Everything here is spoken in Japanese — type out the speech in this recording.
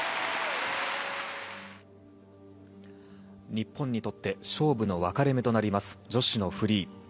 日本にとって勝負の分かれ目となります女子のフリー。